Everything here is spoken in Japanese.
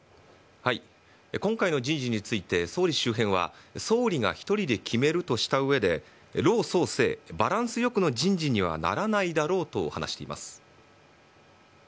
今回の人事について総理周辺は総理が１人で決めるとしたうえで老・壮・青バランス良くの人事にはならないだろうと話しています。